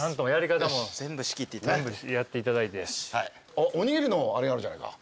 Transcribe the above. あっおにぎりのあれがあるじゃないか。